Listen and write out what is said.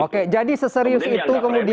oke jadi seserius itu kemudian